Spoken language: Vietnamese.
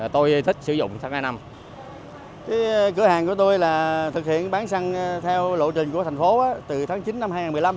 thực hiện bán xăng theo lộ trình của thành phố từ tháng chín năm hai nghìn một mươi năm